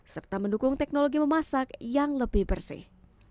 serta mendukung teknologi memasak yang lebih bersih